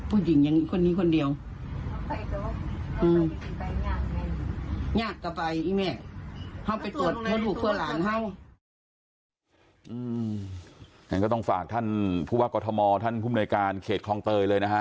อืมอย่างนั้นก็ต้องฝากท่านผู้ว่ากฏมท่านผู้ในการเขตคลองเตยเลยนะฮะ